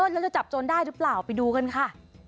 แล้วจะจับโจรได้หรือเปล่าไปดูกันค่ะ